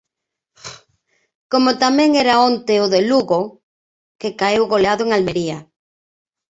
Como tamén era onte o do Lugo, que caeu goleado en Almería.